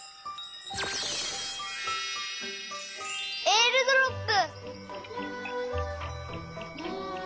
えーるドロップ！